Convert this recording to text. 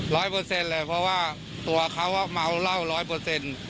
เปอร์เซ็นต์เลยเพราะว่าตัวเขาเมาเหล้าร้อยเปอร์เซ็นต์